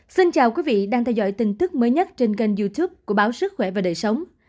xin chào quý vị đang theo dõi tin tức mới nhất trên kênh youtube của báo sức khỏe và đời sống